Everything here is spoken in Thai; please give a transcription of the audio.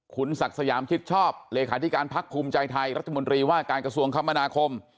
คุณศักดิ์สยามชิดชอบเลขาธิการพักภูมิใจไทยรัฐมนตรีว่าการกระทรวงคมนาคม